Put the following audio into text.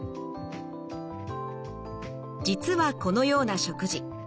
実はこのような食事